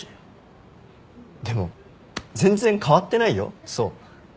でも全然変わってないよ想。